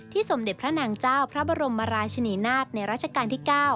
สมเด็จพระนางเจ้าพระบรมราชนีนาฏในราชการที่๙